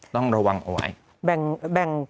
ต้องระวังเอาไว้